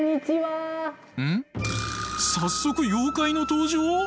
早速妖怪の登場！？